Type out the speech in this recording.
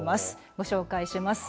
ご紹介します。